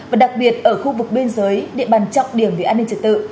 và đặc biệt ở khu vực biên giới địa bàn trọng điểm về an ninh trật tự